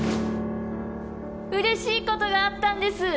うれしいことがあったんです！